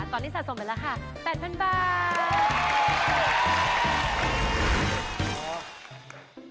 ตอนนี้สะสมไปแล้วค่ะ๘๐๐๐บาท